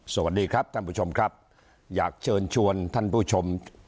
สวัสดีครับท่านผู้ชมครับอยากเชิญชวนท่านผู้ชม